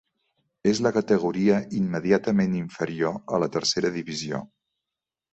És la categoria immediatament inferior a la Tercera Divisió.